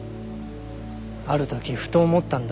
ある時ふと思ったんだ。